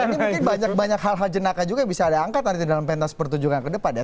nah ini mungkin banyak banyak hal hal jernaka juga yang bisa ada angkat nanti dalam pentas pertunjukan kedepan ya